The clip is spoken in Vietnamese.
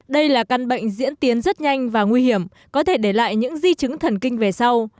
đây là căn bệnh diễn tiến rất nhanh và nguy hiểm có thể để lại những di chứng thần kinh về sau